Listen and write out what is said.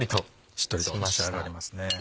しっとりと仕上がりますね。